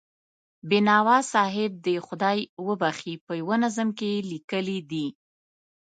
بینوا صاحب دې خدای وبښي، په یوه نظم کې یې لیکلي دي.